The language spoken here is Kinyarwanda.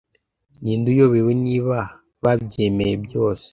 Ninde uyobewe niba babyemeye byose